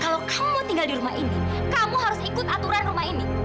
kalau kamu mau tinggal di rumah ini kamu harus ikut aturan rumah ini